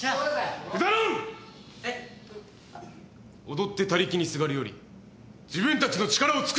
踊って他力にすがるより自分たちの力を尽くすべきだ。